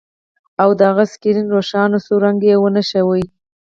او د هغه سکرین روښانه سور رنګ ونه ښيي